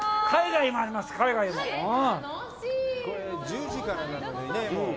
海外もあります、海外も。